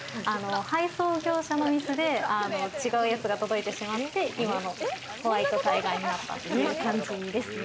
配送業者のミスで違うやつが届いてしまって、今のホワイトタイガーになったっていう感じですね。